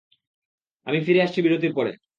আমি ফিরে আসছি বিরতির পরে।